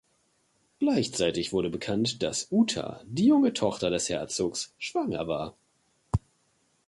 Gleichzeitig wurde bekannt, dass Uta, die junge Tochter des Herzogs, schwanger war.